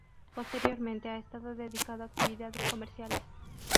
Posteriormente ha estado dedicado a actividades comerciales.